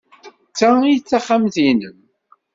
D ta ay d taxxamt-nnem?